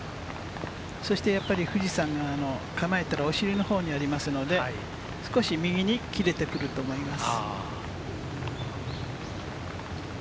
そしてやっぱり富士山が構えてるお尻の方にありますので、少し右に切れてくると思います。